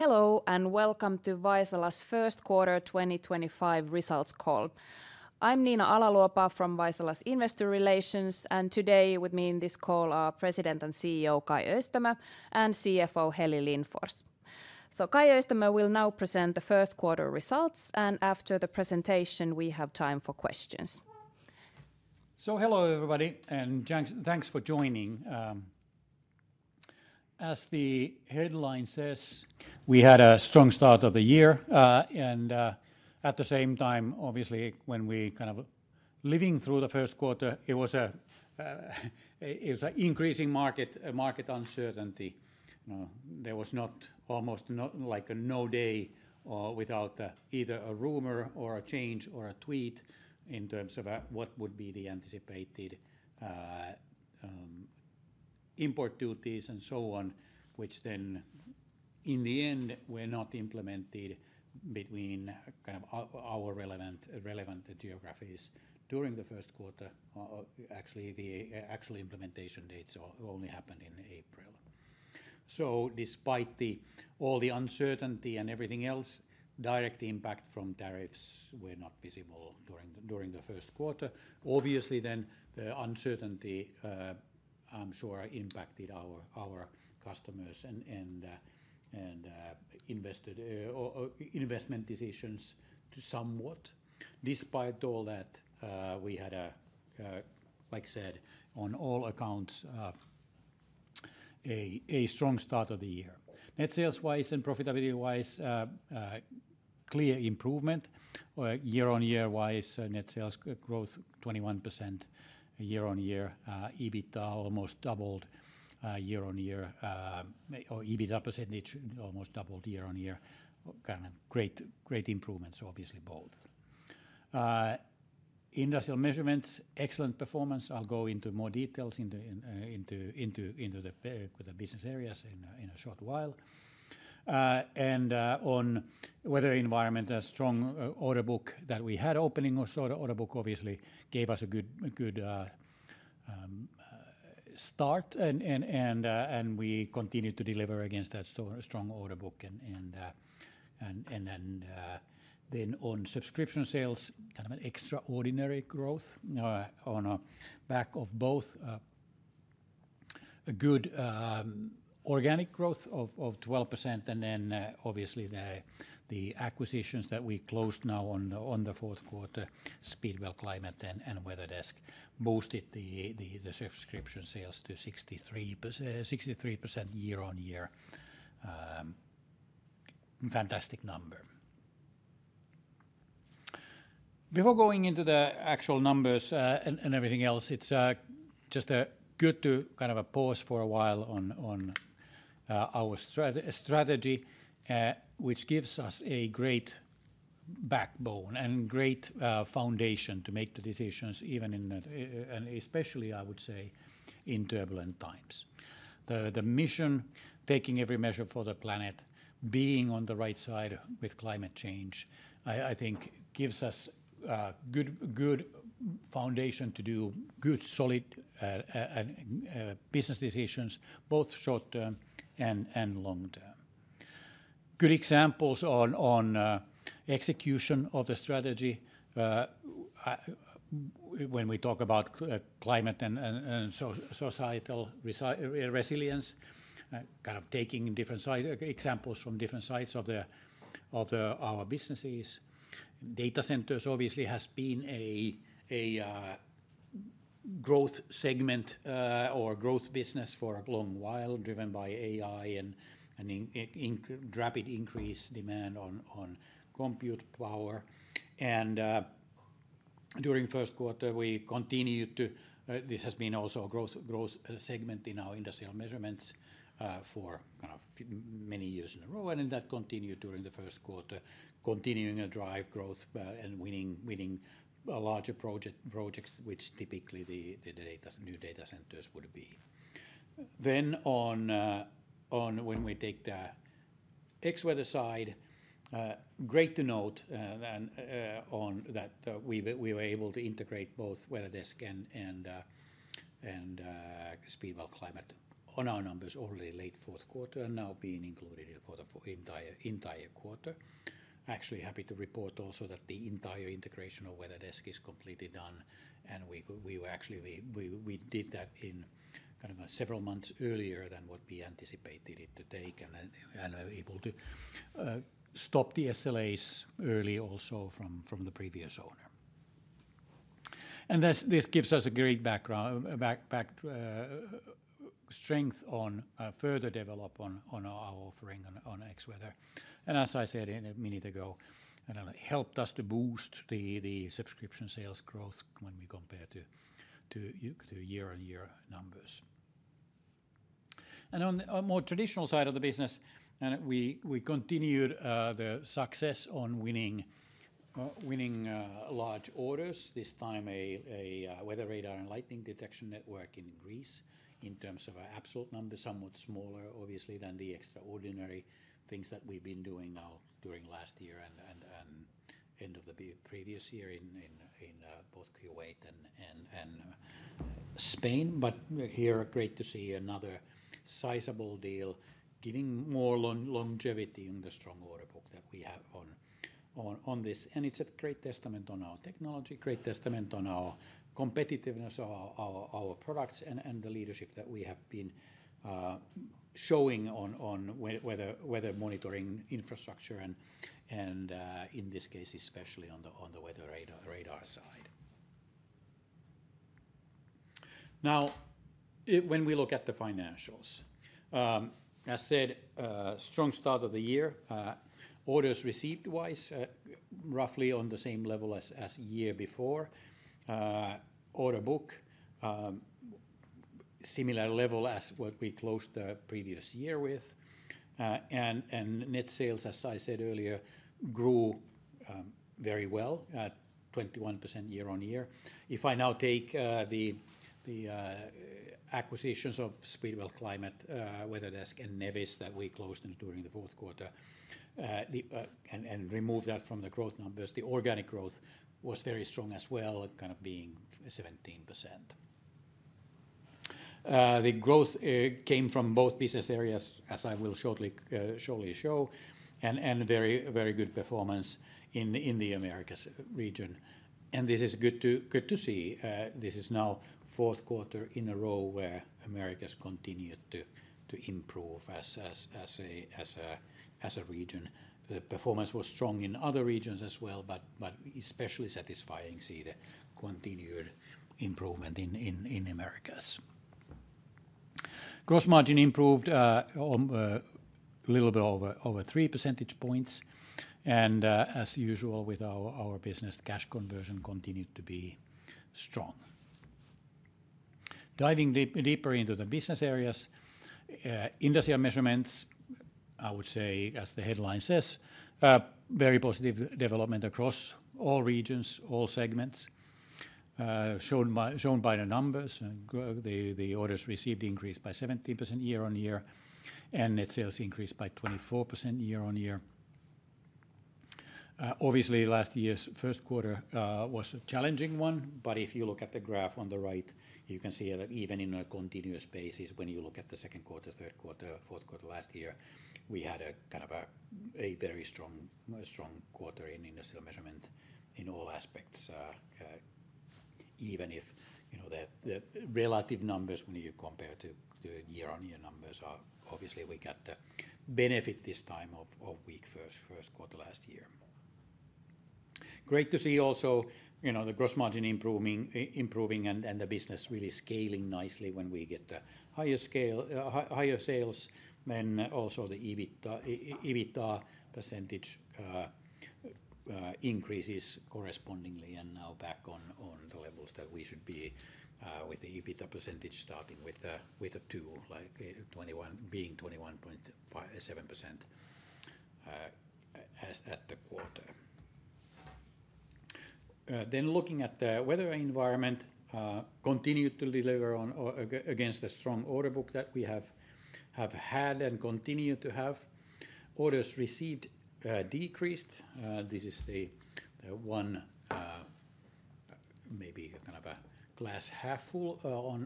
Hello and welcome to Vaisala's first quarter 2025 results call. I'm Niina Ala-Luopa from Vaisala's Investor Relations, and today with me in this call are President and CEO Kai Öistämö and CFO Heli Lindfors. Kai Öistämö will now present the first quarter results, and after the presentation we have time for questions. Hello everybody, and thanks for joining. As the headline says, we had a strong start of the year, and at the same time, obviously, when we kind of living through the first quarter, it was an increasing market uncertainty. There was almost like a no day without either a rumor or a change or a tweet in terms of what would be the anticipated import duties and so on, which then in the end were not implemented between kind of our relevant geographies during the first quarter. Actually, the actual implementation dates only happened in April. Despite all the uncertainty and everything else, direct impact from tariffs were not visible during the first quarter. Obviously then, the uncertainty, I'm sure, impacted our customers and investment decisions somewhat. Despite all that, we had, like I said, on all accounts, a strong start of the year. Net sales-wise and profitability-wise, clear improvement. Year-on-year-wise, net sales growth 21% year-on-year. EBITDA almost doubled year-on-year, or EBITDA percentage almost doubled year-on-year. Kind of great improvements, obviously, both. Industrial Measurements, excellent performance. I'll go into more details into the business areas in a short while. On Weather and Environment, a strong order book that we had opening order book, obviously, gave us a good start, and we continued to deliver against that strong order book. On subscription sales, kind of an extraordinary growth on a back of both a good organic growth of 12%, and obviously the acquisitions that we closed now on the fourth quarter, Speedwell Climate and WeatherDesk, boosted the subscription sales to 63% year-on-year. Fantastic number. Before going into the actual numbers and everything else, it's just good to kind of pause for a while on our strategy, which gives us a great backbone and great foundation to make the decisions, even in, and especially, I would say, in turbulent times. The mission, taking every measure for the planet, being on the right side with climate change, I think gives us a good foundation to do good, solid business decisions, both short-term and long-term. Good examples on execution of the strategy when we talk about climate and societal resilience, kind of taking different examples from different sides of our businesses. Data centers, obviously, has been a growth segment or growth business for a long while, driven by AI and rapid increase demand on compute power. During the first quarter, we continued to, this has been also a growth segment in our Industrial Measurements for kind of many years in a row, and that continued during the first quarter, continuing to drive growth and winning larger projects, which typically the new data centers would be. When we take the Xweather side, great to note that we were able to integrate both WeatherDesk and Speedwell Climate on our numbers already late fourth quarter and now being included for the entire quarter. Actually, happy to report also that the entire integration of WeatherDesk is completely done, and we actually did that in kind of several months earlier than what we anticipated it to take and were able to stop the SLAs early also from the previous owner. This gives us a great strength on further develop on our offering on Xweather. As I said a minute ago, it helped us to boost the subscription sales growth when we compare to year-on-year numbers. On the more traditional side of the business, we continued the success on winning large orders, this time a weather radar and lightning detection network in Greece. In terms of our absolute number, somewhat smaller, obviously, than the extraordinary things that we've been doing now during last year and end of the previous year in both Kuwait and Spain. Here, great to see another sizable deal giving more longevity in the strong order book that we have on this. It is a great testament on our technology, great testament on our competitiveness of our products, and the leadership that we have been showing on weather monitoring infrastructure, and in this case, especially on the weather radar side. Now, when we look at the financials, as said, strong start of the year, orders received-wise roughly on the same level as the year before. Order book, similar level as what we closed the previous year with. Net sales, as I said earlier, grew very well, 21% year-on-year. If I now take the acquisitions of Speedwell Climate, WeatherDesk, and Nevis that we closed during the fourth quarter and remove that from the growth numbers, the organic growth was very strong as well, kind of being 17%. The growth came from both business areas, as I will shortly show, and very good performance in the Americas region. This is good to see. This is now fourth quarter in a row where Americas continued to improve as a region. The performance was strong in other regions as well, especially satisfying to see the continued improvement in Americas. Gross margin improved a little bit over three percentage points. As usual with our business, cash conversion continued to be strong. Diving deeper into the business areas, Industrial Measurements, I would say, as the headline says, very positive development across all regions, all segments, shown by the numbers. The orders received increased by 17% year-on-year, and net sales increased by 24% year-on-year. Obviously, last year's first quarter was a challenging one, but if you look at the graph on the right, you can see that even in a continuous basis, when you look at the second quarter, third quarter, fourth quarter last year, we had a kind of a very strong quarter in Industrial Measurement in all aspects. Even if the relative numbers, when you compare to year-on-year numbers, obviously we got the benefit this time of weak first quarter last year. Great to see also the gross margin improving and the business really scaling nicely when we get the higher sales, and also the EBITDA percentage increases correspondingly and now back on the levels that we should be with the EBITDA percentage starting with a 2, being 21.7% at the quarter. Looking at the Weather and Environment, continued to deliver against the strong order book that we have had and continue to have. Orders received decreased. This is the one, maybe kind of a glass half full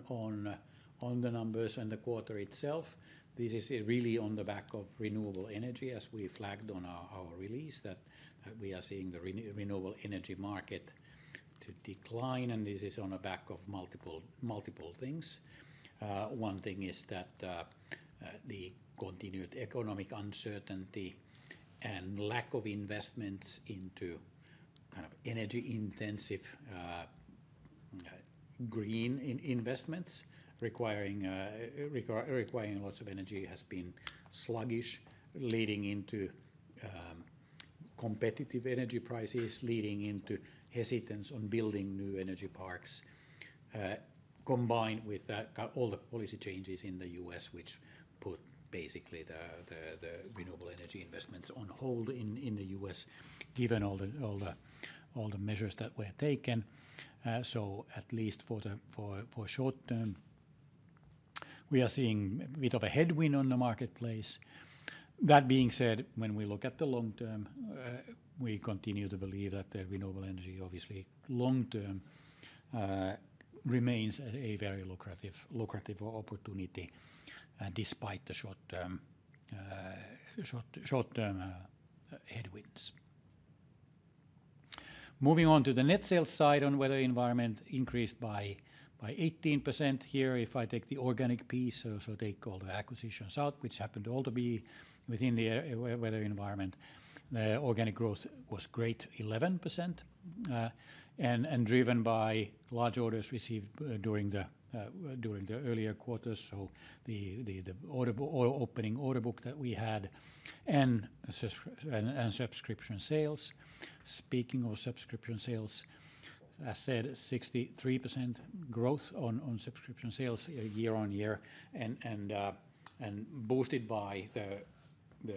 on the numbers and the quarter itself. This is really on the back of renewable energy, as we flagged on our release, that we are seeing the renewable energy market decline, and this is on the back of multiple things. One thing is that the continued economic uncertainty and lack of investments into kind of energy-intensive green investments requiring lots of energy has been sluggish, leading into competitive energy prices, leading into hesitance on building new energy parks, combined with all the policy changes in the U.S., which put basically the renewable energy investments on hold in the U.S., given all the measures that were taken. At least for short term, we are seeing a bit of a headwind on the marketplace. That being said, when we look at the long term, we continue to believe that the renewable energy, obviously long term, remains a very lucrative opportunity despite the short-term headwinds. Moving on to the net sales side on Weather and Environment, increased by 18% here. If I take the organic piece, so take all the acquisitions out, which happened all to be within the Weather and Environment, the organic growth was great, 11%, and driven by large orders received during the earlier quarters, so the opening order book that we had and subscription sales. Speaking of subscription sales, as said, 63% growth on subscription sales year-on-year and boosted by the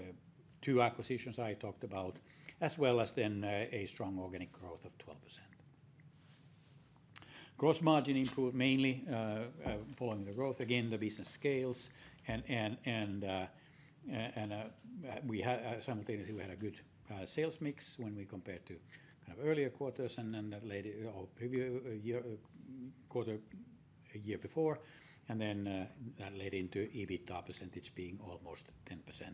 two acquisitions I talked about, as well as then a strong organic growth of 12%. Gross margin improved mainly following the growth. Again, the business scales, and simultaneously we had a good sales mix when we compared to kind of earlier quarters and then that led our previous quarter a year before, and then that led into EBITDA percentage being almost 10%.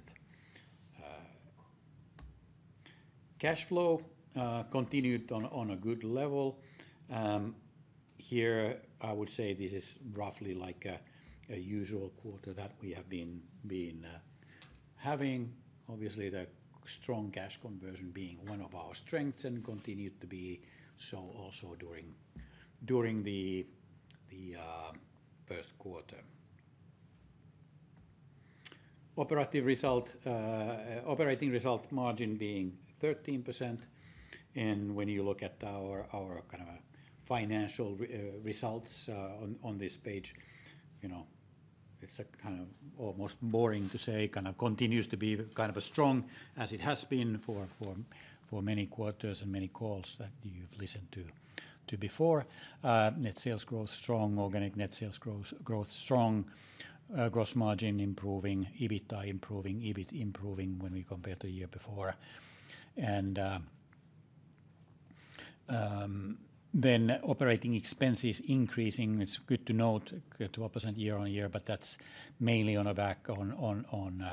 Cash flow continued on a good level. Here, I would say this is roughly like a usual quarter that we have been having. Obviously, the strong cash conversion being one of our strengths and continued to be so also during the first quarter. Operating result margin being 13%. When you look at our kind of financial results on this page, it's kind of almost boring to say, kind of continues to be kind of strong as it has been for many quarters and many calls that you've listened to before. Net sales growth strong, organic net sales growth strong, gross margin improving, EBITDA improving, EBIT improving when we compare to the year before. Operating expenses increasing. It's good to note 12% year-on-year, but that's mainly on the back on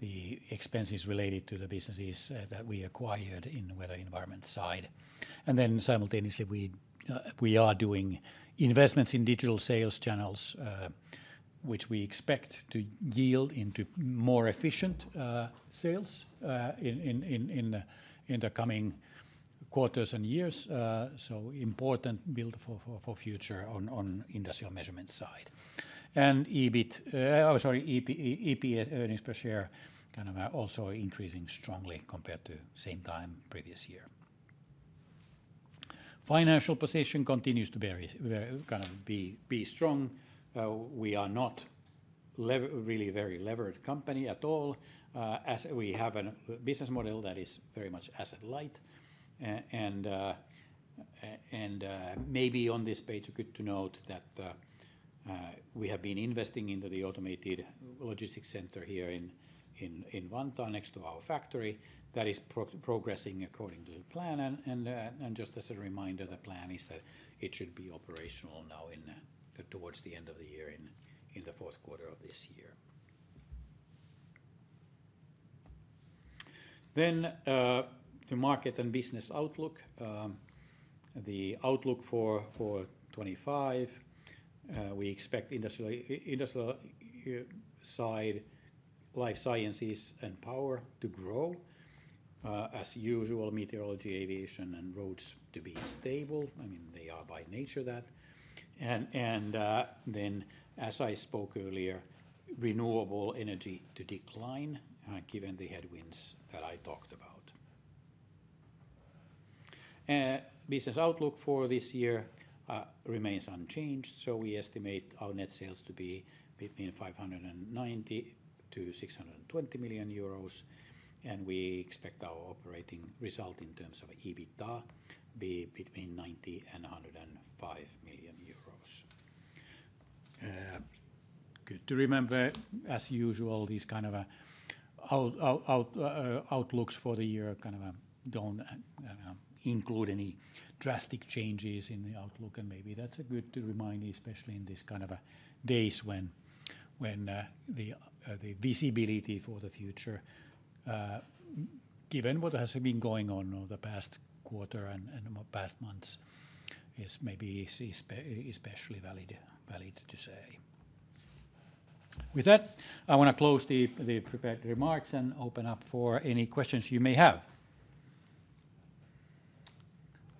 the expenses related to the businesses that we acquired in the Weather and Environment side. Simultaneously, we are doing investments in digital sales channels, which we expect to yield into more efficient sales in the coming quarters and years. Important build for future on Industrial Measurement side. EBIT, sorry, EPS earnings per share kind of also increasing strongly compared to same time previous year. Financial position continues to kind of be strong. We are not really a very levered company at all, as we have a business model that is very much asset light. Maybe on this page, good to note that we have been investing into the automated logistics center here in Vantaa next to our factory. That is progressing according to the plan. Just as a reminder, the plan is that it should be operational now towards the end of the year in the fourth quarter of this year. The market and business outlook, the outlook for 2025, we expect industrial side, life sciences and power to grow as usual, meteorology, aviation, and roads to be stable. I mean, they are by nature that. As I spoke earlier, renewable energy to decline given the headwinds that I talked about. Business outlook for this year remains unchanged. We estimate our net sales to be between 590 million and 620 million euros. We expect our operating result in terms of EBITDA be between 90 million euros and 105 million euros. Good to remember, as usual, these kind of outlooks for the year kind of do not include any drastic changes in the outlook. Maybe that is a good reminder, especially in these kind of days when the visibility for the future, given what has been going on over the past quarter and past months, is maybe especially valid to say. With that, I want to close the prepared remarks and open up for any questions you may have.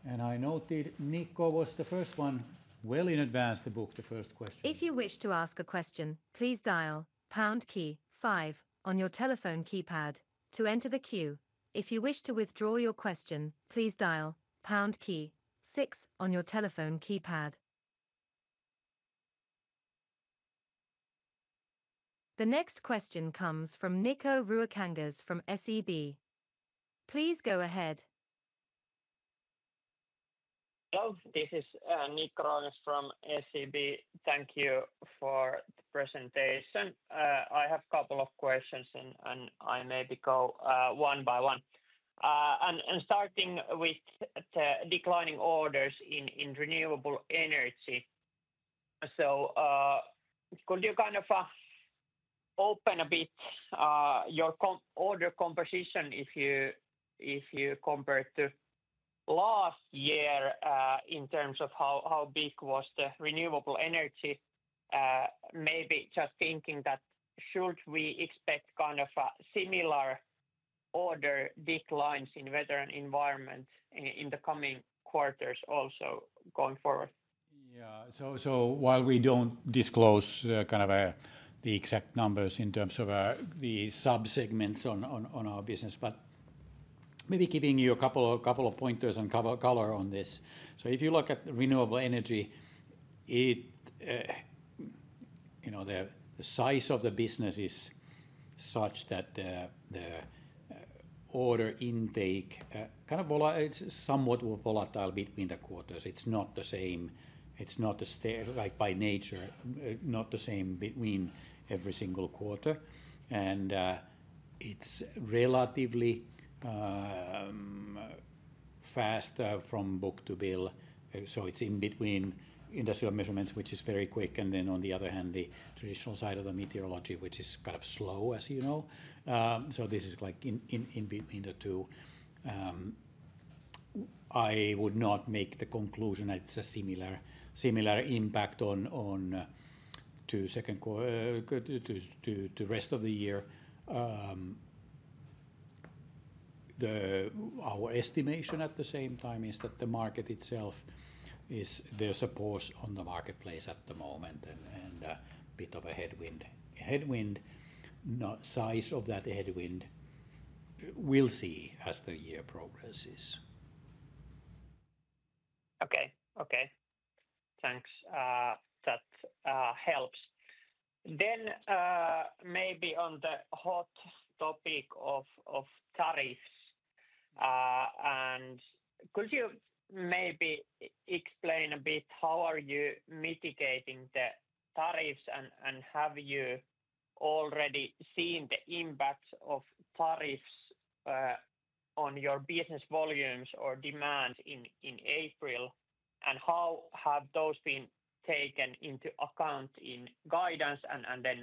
I noted Nikko was the first one well in advance to book the first question. If you wish to ask a question, please dial pound key five on your telephone keypad to enter the queue. If you wish to withdraw your question, please dial pound key six on your telephone keypad. The next question comes from Nikko Ruokangas from SEB. Please go ahead. Hello, this is Nikko Ruokangas from SEB. Thank you for the presentation. I have a couple of questions, and I maybe go one by one. Starting with the declining orders in renewable energy. Could you kind of open a bit your order composition if you compare to last year in terms of how big was the renewable energy? Maybe just thinking that should we expect kind of a similar order declines in Weather and Environment in the coming quarters also going forward? Yeah, while we don't disclose kind of the exact numbers in terms of the subsegments on our business, maybe giving you a couple of pointers and color on this. If you look at renewable energy, the size of the business is such that the order intake is kind of somewhat volatile between the quarters. It's not the same. It's not the same by nature, not the same between every single quarter. It's relatively fast from book to bill. It's in between Industrial Measurements, which is very quick, and then on the other hand, the traditional side of the meteorology, which is kind of slow, you know. This is like in between the two. I would not make the conclusion that it's a similar impact on the rest of the year. Our estimation at the same time is that the market itself is the support on the marketplace at the moment and a bit of a headwind. Headwind, size of that headwind we'll see as the year progresses. Okay, okay. Thanks. That helps. Maybe on the hot topic of tariffs. Could you maybe explain a bit how are you mitigating the tariffs and have you already seen the impact of tariffs on your business volumes or demand in April? How have those been taken into account in guidance and the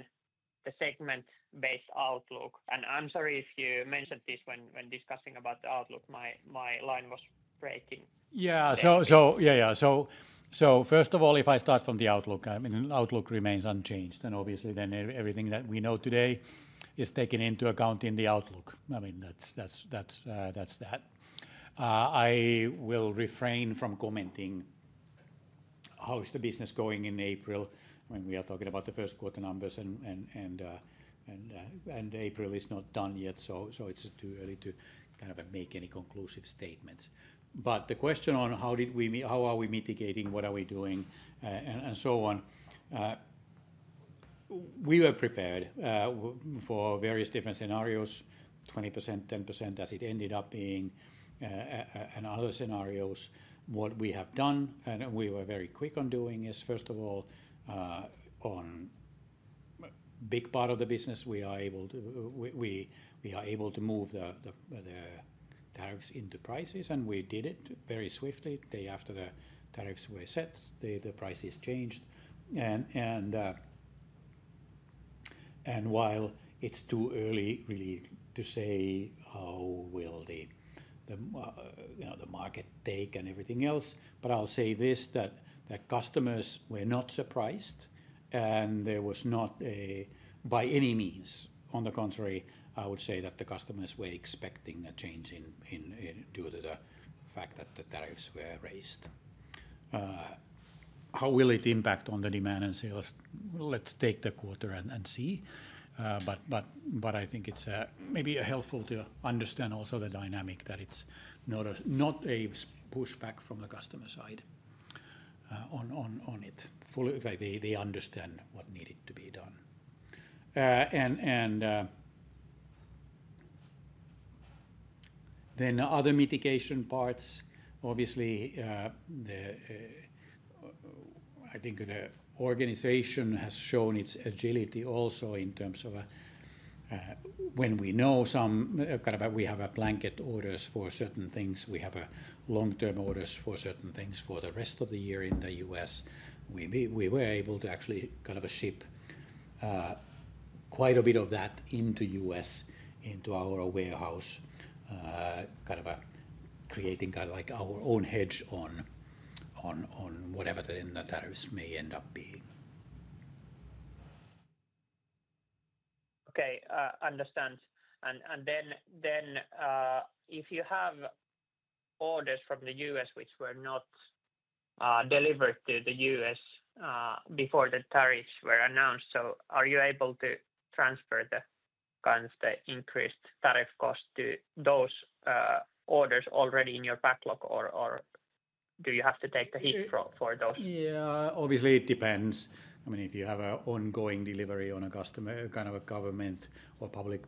segment-based outlook? I'm sorry if you mentioned this when discussing about the outlook, my line was breaking. Yeah, yeah. First of all, if I start from the outlook, the outlook remains unchanged. Obviously, everything that we know today is taken into account in the outlook. I mean, that's that. I will refrain from commenting how is the business going in April when we are talking about the first quarter numbers and April is not done yet. It is too early to kind of make any conclusive statements. The question on how are we mitigating, what are we doing, and so on, we were prepared for various different scenarios, 20%, 10% as it ended up being, and other scenarios. What we have done and we were very quick on doing is, first of all, on a big part of the business, we are able to move the tariffs into prices, and we did it very swiftly. The day after the tariffs were set, the prices changed. While it is too early really to say how will the market take and everything else, I will say this that customers were not surprised and there was not a by any means. On the contrary, I would say that the customers were expecting a change due to the fact that the tariffs were raised. How will it impact on the demand and sales? Let's take the quarter and see. I think it's maybe helpful to understand also the dynamic that it's not a pushback from the customer side on it. They understand what needed to be done. Other mitigation parts, obviously, I think the organization has shown its agility also in terms of when we know some kind of we have blanket orders for certain things, we have long-term orders for certain things for the rest of the year in the U.S. We were able to actually kind of ship quite a bit of that into the U.S., into our warehouse, kind of creating our own hedge on whatever the tariffs may end up being. Okay, understand. If you have orders from the U.S. which were not delivered to the U.S. before the tariffs were announced, are you able to transfer the kind of the increased tariff cost to those orders already in your backlog, or do you have to take the hit for those? Yeah, obviously, it depends. I mean, if you have an ongoing delivery on a customer, kind of a government or public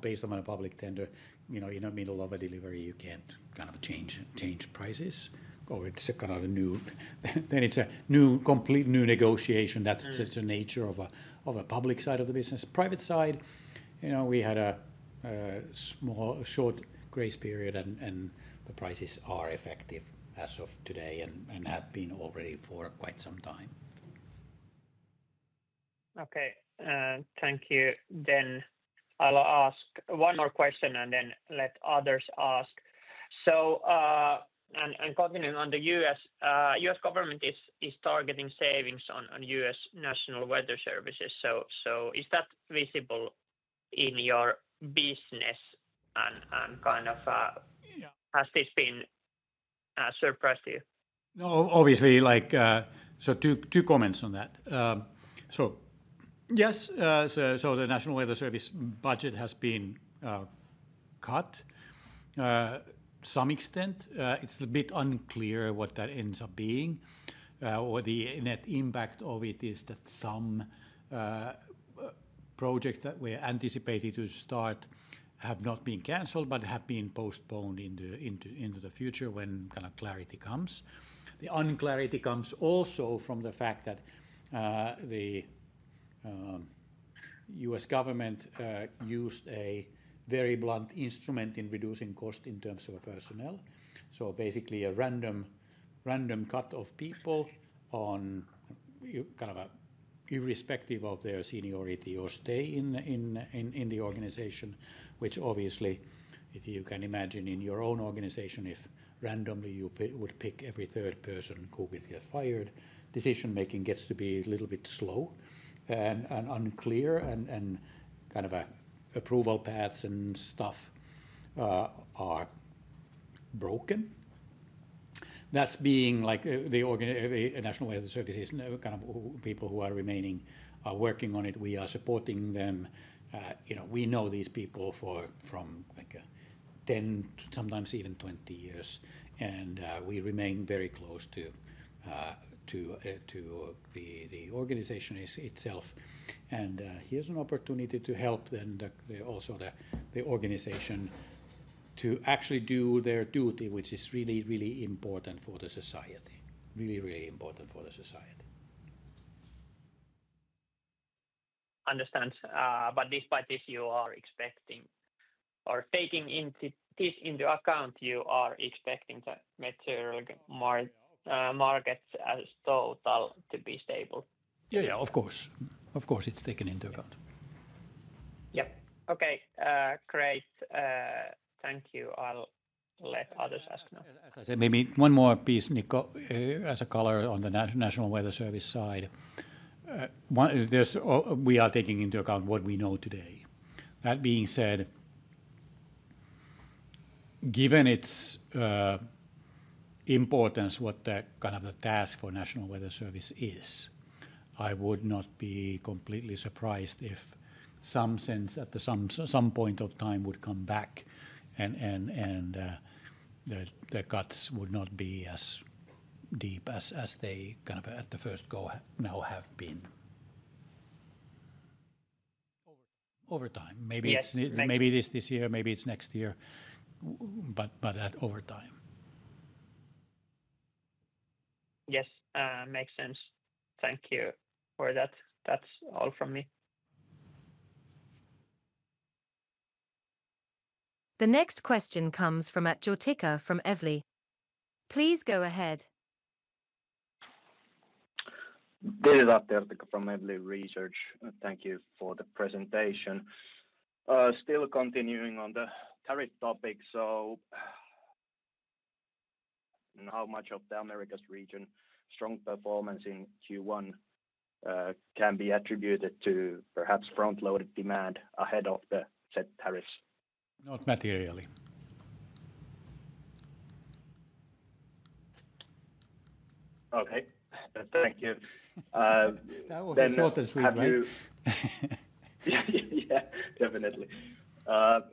based on a public tender, in the middle of a delivery, you can't kind of change prices. Or if it's kind of a new, then it's a complete new negotiation. That's the nature of a public side of the business. Private side, we had a short grace period, and the prices are effective as of today and have been already for quite some time. Okay, thank you. I will ask one more question and then let others ask. I'm continuing on the U.S. U.S. government is targeting savings on U.S. National Weather Service. Is that visible in your business? Has this been a surprise to you? No, obviously. Two comments on that. Yes, the National Weather Service budget has been cut to some extent. It's a bit unclear what that ends up being. The net impact of it is that some projects that were anticipated to start have not been canceled, but have been postponed into the future when clarity comes. The unclarity comes also from the fact that the U.S. government used a very blunt instrument in reducing cost in terms of personnel. Basically a random cut of people on kind of irrespective of their seniority or stay in the organization, which obviously, if you can imagine in your own organization, if randomly you would pick every third person who could get fired, decision-making gets to be a little bit slow and unclear, and kind of approval paths and stuff are broken. That is being like the National Weather Service is kind of people who are remaining are working on it. We are supporting them. We know these people from like 10, sometimes even 20 years. And we remain very close to the organization itself. Here is an opportunity to help then also the organization to actually do their duty, which is really, really important for the society. Really, really important for the society. Understand. Despite this, you are expecting or taking this into account, you are expecting the material markets as total to be stable. Yeah, yeah, of course. Of course, it's taken into account. Yeah. Okay. Great. Thank you. I'll let others ask now. As I said, maybe one more piece, Nikko, as a color on the National Weather Service side. We are taking into account what we know today. That being said, given its importance, what the kind of the task for National Weather Service is, I would not be completely surprised if some sense at some point of time would come back and the cuts would not be as deep as they kind of at the first go now have been. Over time. Maybe it is this year, maybe it's next year, but over time. Yes, makes sense. Thank you for that. That's all from me. The next question comes from Atte Jortikka from Evli. Please go ahead. This is Atte Jortikka from Evli Research. Thank you for the presentation. Still continuing on the tariff topic, how much of the Americas region strong performance in Q1 can be attributed to perhaps front-loaded demand ahead of the set tariffs? Not materially. Okay. Thank you. That was the shortest we've had. Yeah, definitely. Have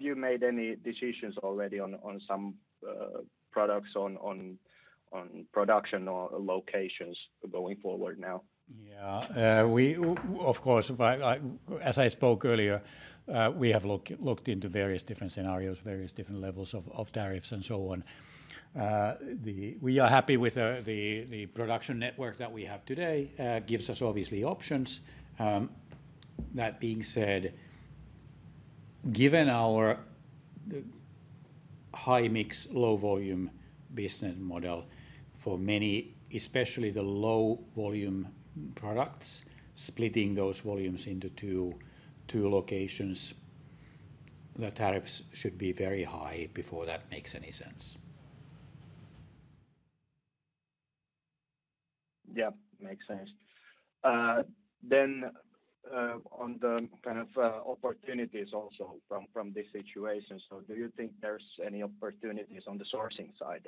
you made any decisions already on some products on production or locations going forward now? Yeah, of course. As I spoke earlier, we have looked into various different scenarios, various different levels of tariffs and so on. We are happy with the production network that we have today. It gives us obviously options. That being said, given our high mix, low volume business model for many, especially the low volume products, splitting those volumes into two locations, the tariffs should be very high before that makes any sense. Yeah, makes sense. On the kind of opportunities also from this situation, do you think there's any opportunities on the sourcing side,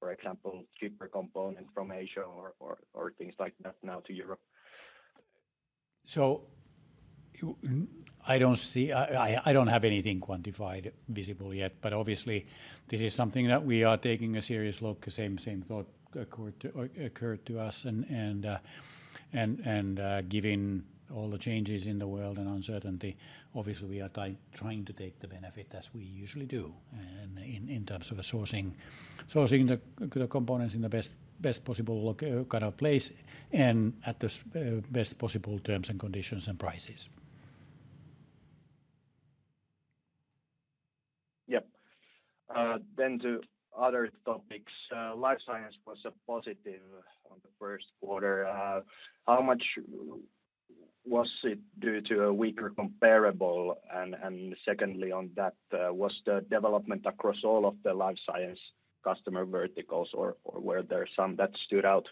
for example, cheaper components from Asia or things like that now to Europe? I don't see, I don't have anything quantified visible yet, but obviously this is something that we are taking a serious look, same thought occurred to us. Given all the changes in the world and uncertainty, obviously we are trying to take the benefit as we usually do in terms of sourcing the components in the best possible kind of place and at the best possible terms and conditions and prices. Yep. To other topics. Life science was a positive on the first quarter. How much was it due to a weaker comparable? Secondly, on that, was the development across all of the life science customer verticals or were there some that stood out?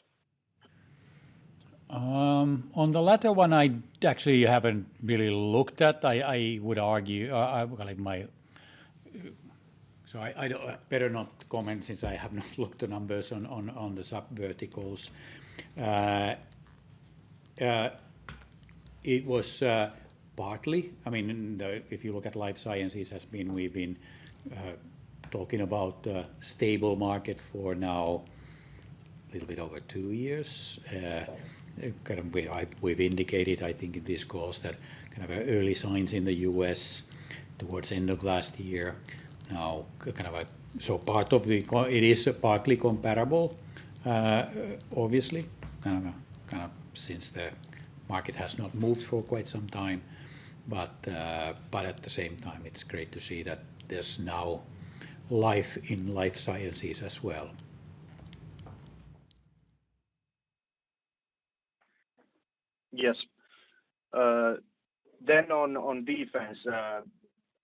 On the latter one, I actually haven't really looked at. I would argue my so I better not comment since I have not looked at numbers on the subverticals. It was partly, I mean, if you look at life sciences, we've been talking about a stable market for now a little bit over two years. Kind of we've indicated, I think, in this call that kind of early signs in the U.S. towards the end of last year. Now, kind of so part of it is partly comparable, obviously, kind of since the market has not moved for quite some time. At the same time, it's great to see that there's now life in life sciences as well. Yes. On defense,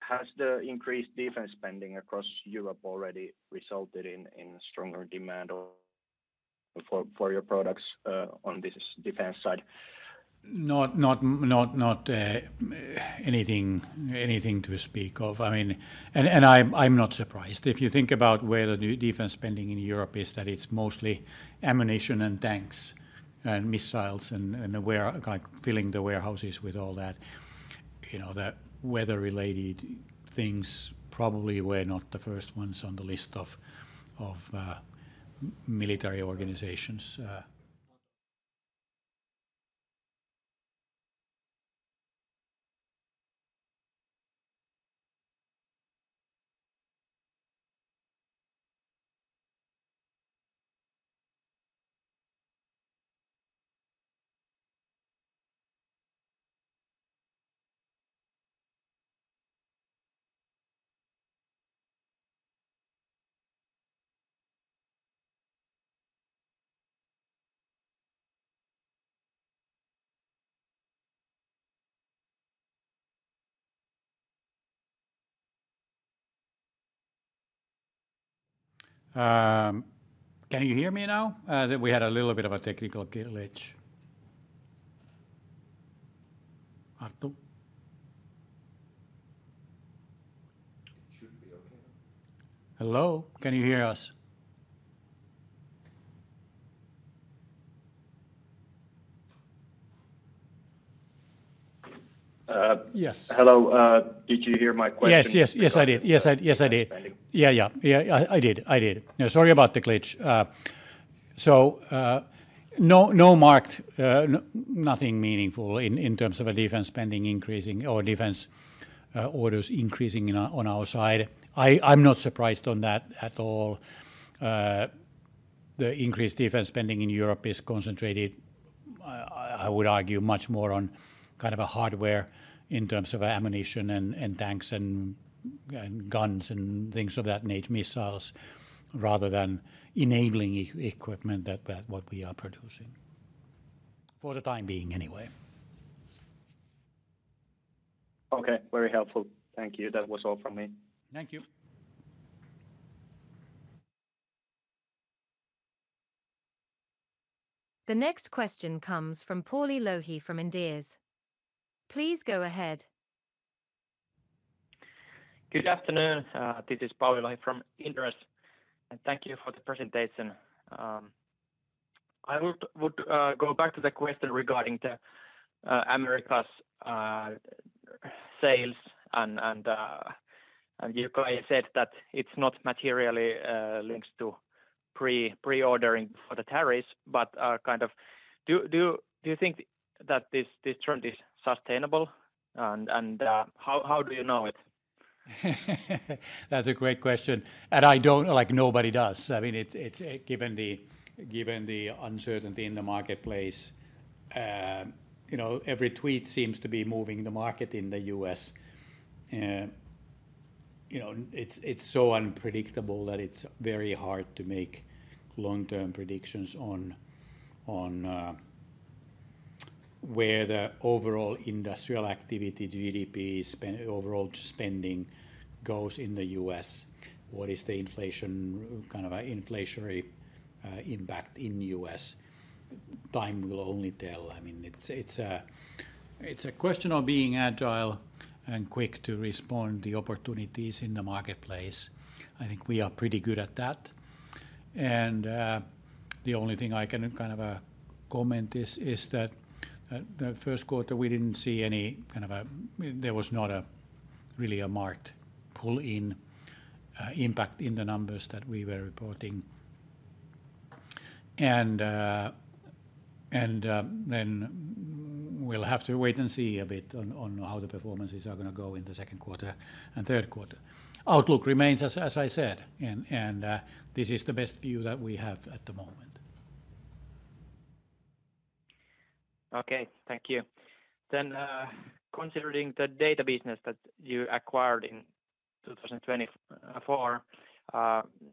has the increased defense spending across Europe already resulted in stronger demand for your products on this defense side? Not anything to speak of. I mean, I'm not surprised. If you think about where the defense spending in Europe is, it's mostly ammunition and tanks and missiles and filling the warehouses with all that, the weather-related things probably were not the first ones on the list of military organizations. Can you hear me now? We had a little bit of a technical glitch. Atte? It should be okay. Hello? Can you hear us? Yes. Hello. Did you hear my question? Yes, yes, yes, I did. Yes, I did. Yeah, yeah. I did. I did. Sorry about the glitch. No marked, nothing meaningful in terms of defense spending increasing or defense orders increasing on our side. I'm not surprised on that at all. The increased defense spending in Europe is concentrated, I would argue, much more on kind of hardware in terms of ammunition and tanks and guns and things of that nature, missiles, rather than enabling equipment that what we are producing. For the time being, anyway. Okay. Very helpful. Thank you. That was all from me. Thank you. The next question comes from Pauli Lohi from Inderes. Please go ahead. Good afternoon. This is Pauli Lohi from Inderes. Thank you for the presentation. I would go back to the question regarding the Americas sales. You said that it's not materially linked to pre-ordering for the tariffs, but kind of do you think that this trend is sustainable? How do you know it? That's a great question. I don't like nobody does. I mean, given the uncertainty in the marketplace, every tweet seems to be moving the market in the U.S. It's so unpredictable that it's very hard to make long-term predictions on where the overall industrial activity, GDP, overall spending goes in the U.S. What is the inflation, kind of an inflationary impact in the U.S.? Time will only tell. I mean, it's a question of being agile and quick to respond to the opportunities in the marketplace. I think we are pretty good at that. The only thing I can kind of comment is that the first quarter, we didn't see any kind of a there was not really a marked pull-in impact in the numbers that we were reporting. We will have to wait and see a bit on how the performances are going to go in the second quarter and third quarter. Outlook remains, as I said, and this is the best view that we have at the moment. Okay. Thank you. Considering the data business that you acquired in 2024,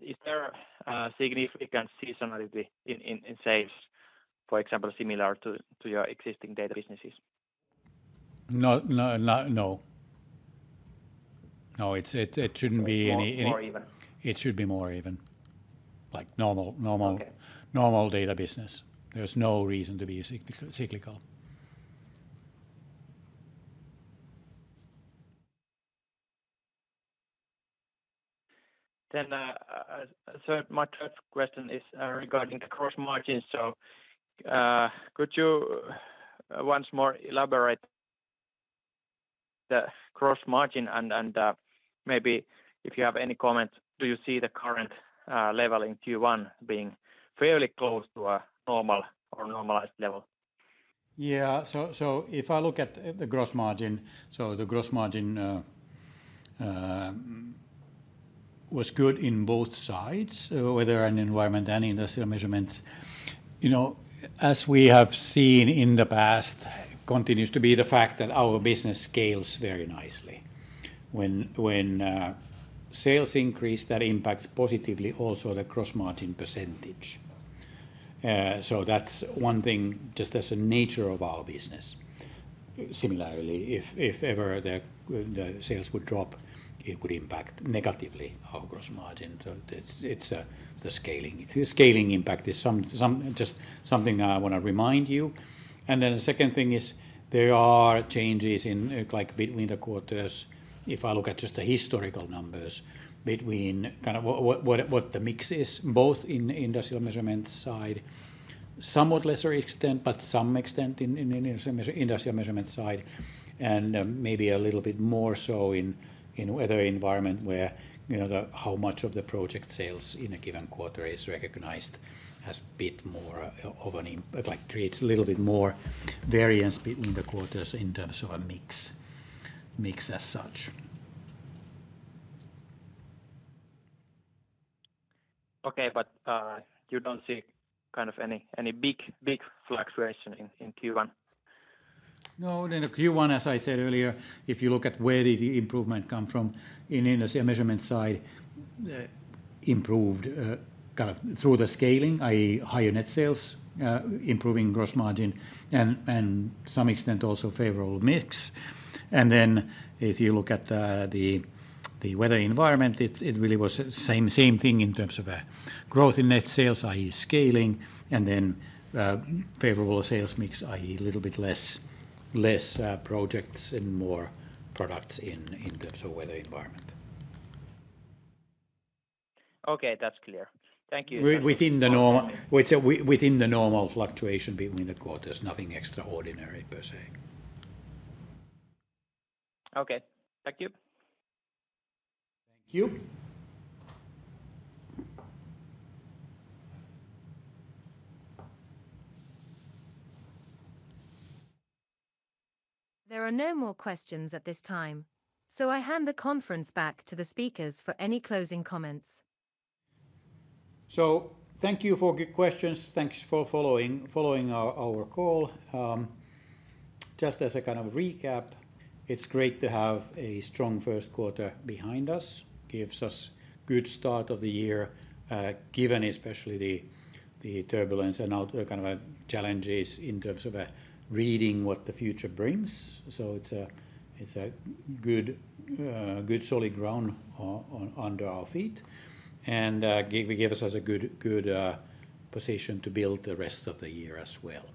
is there a significant seasonality in sales, for example, similar to your existing data businesses? No. No. No. No. It should not be any. It should be more even. Like normal data business. There is no reason to be cyclical. My third question is regarding the gross margin. Could you once more elaborate the gross margin and maybe if you have any comments, do you see the current level in Q1 being fairly close to a normal or normalized level? Yeah. If I look at the gross margin, the gross margin was good in both sides, Weather and Environment and Industrial Measurements. As we have seen in the past, continues to be the fact that our business scales very nicely. When sales increase, that impacts positively also the gross margin percentage. That is one thing just as a nature of our business. Similarly, if ever the sales would drop, it would impact negatively our gross margin. The scaling impact is just something I want to remind you. The second thing is there are changes in between the quarters. If I look at just the historical numbers between kind of what the mix is, both in Industrial Measurement side, somewhat lesser extent, but some extent in Industrial Measurement side, and maybe a little bit more so in other environment where how much of the project sales in a given quarter is recognized has a bit more of an impact, like creates a little bit more variance between the quarters in terms of a mix as such. Okay, but you do not see kind of any big fluctuation in Q1? No. In Q1, as I said earlier, if you look at where the improvement comes from in the Industrial Measurement side, improved kind of through the scaling, i.e., higher net sales, improving gross margin, and some extent also favorable mix. If you look at the Weather and Environment, it really was the same thing in terms of growth in net sales, i.e., scaling, and then favorable sales mix, i.e., a little bit less projects and more products in terms of Weather and Environment. Okay, that's clear. Thank you. Within the normal fluctuation between the quarters, nothing extraordinary per se. Okay. Thank you. Thank you. There are no more questions at this time, so I hand the conference back to the speakers for any closing comments. Thank you for your questions. Thanks for following our call. Just as a kind of recap, it's great to have a strong first quarter behind us. It gives us a good start of the year, given especially the turbulence and kind of challenges in terms of reading what the future brings. It's a good solid ground under our feet. It gives us a good position to build the rest of the year as well.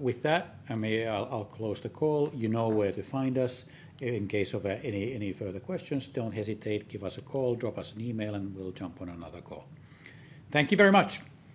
With that, I'll close the call. You know where to find us. In case of any further questions, do not hesitate to give us a call, drop us an email, and we'll jump on another call. Thank you very much.